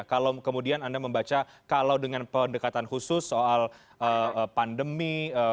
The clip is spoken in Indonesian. kalau kemudian anda membaca kalau dengan pendekatan khusus soal pandemi